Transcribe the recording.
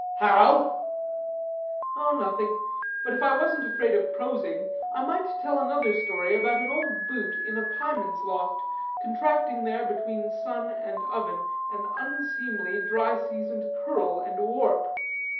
"How?" "Oh, nothing! but if I wasn't afraid of prosing, I might tell another story about an old boot in a pieman's loft, contracting there between sun and oven an unseemly, dry seasoned curl and warp.